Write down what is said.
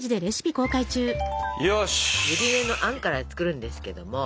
ゆり根のあんから作るんですけども。